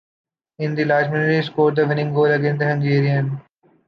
In the last minutes he scored the winning goal against the Hungarians.